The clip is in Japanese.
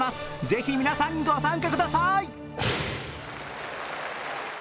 ぜひ皆さん、ご参加ください。